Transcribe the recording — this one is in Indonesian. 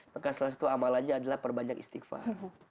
maka salah satu amalannya adalah perbanyak istighfar